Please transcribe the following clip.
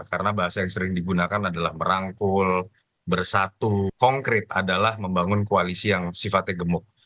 karena bahasa yang sering digunakan adalah merangkul bersatu konkret adalah membangun koalisi yang sifatnya gemuk